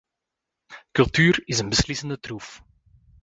Cultuur is een beslissende troef.